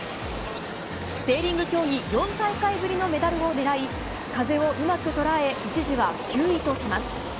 セーリング競技、４大会ぶりのメダルをねらい、風をうまく捉え、一時は９位とします。